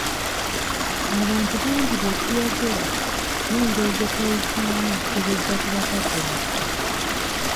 Abantu bangi bye twogera, n'engeri gye tweyisaamu tubijja ku bakadde baffe.